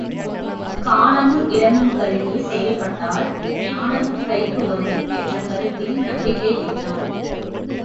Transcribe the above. காலமும் இடமும் கருதிச் செயல்பட்டால் ஞாலமும் கைக்கு வரும் என்ற கருத்தில் நம்பிக்கை வைத்தான்.